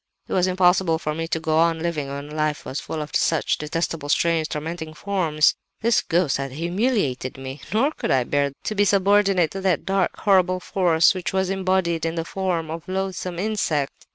"It was impossible for me to go on living when life was full of such detestable, strange, tormenting forms. This ghost had humiliated me;—nor could I bear to be subordinate to that dark, horrible force which was embodied in the form of the loathsome insect.